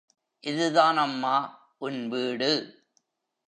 இதுதான் அம்மா உன் வீடு.